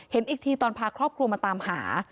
เห็นอีกทีตอนพาครอบครัวมาตามหา